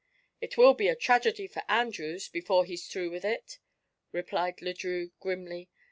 "It will be a tragedy for Andrews, before he's through with it," replied Le Drieux grimly.